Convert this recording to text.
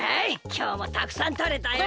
きょうもたくさんとれたよ。